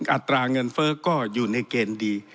อัตราเงินเฟ้อก็อยู่ในเกณฑ์ดี